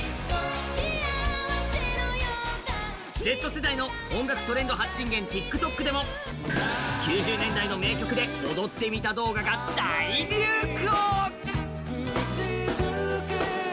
Ｚ世代の音楽トレンド発信源・ＴｉｋＴｏｋでも、９０年代の名曲で「踊ってみた」が大流行！